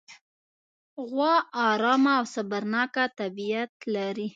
غوا ارامه او صبرناکه طبیعت لري.